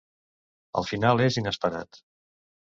El final és inesperat.